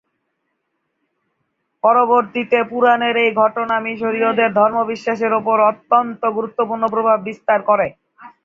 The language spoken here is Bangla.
পরবর্তীতে পুরাণের এই ঘটনা মিশরীয়দের ধর্মবিশ্বাসের উপর অত্যন্ত গুরুত্বপূর্ণ প্রভাব বিস্তার করে।